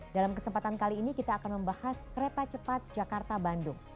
dalam kesempatan kali ini kita akan membahas kereta cepat jakarta bandung